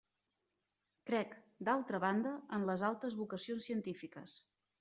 Crec, d'altra banda, en les altes vocacions científiques.